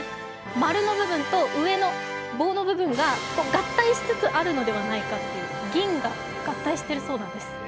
丸の部分と上の棒の部分が合体しつつあるのではないかという銀河が合体してるそうです。